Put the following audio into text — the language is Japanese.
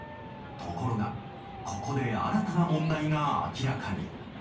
ところが、ここで新たな問題が明らかに。